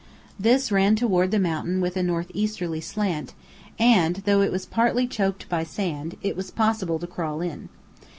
This ran toward the mountain with a northeasterly slant; and though it was partly choked by sand, it was possible to crawl in.